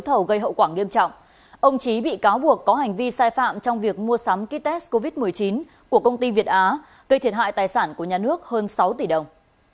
ông trí bị cáo buộc có hành vi sai phạm trong việc mua sắm ký test covid một mươi chín của công ty việt á gây thiệt hại tài sản của nhà nước hơn sáu tỷ đồng